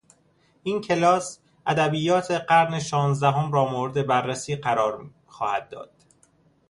این کلاس، ادبیات قرن شانزدهم را مورد بررسی قرار خواهد داد.